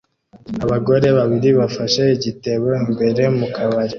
Abagore babiri bafashe igitebo imbere mu kabari